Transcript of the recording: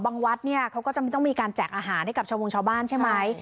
วัดเนี่ยเขาก็จะไม่ต้องมีการแจกอาหารให้กับชาววงชาวบ้านใช่ไหม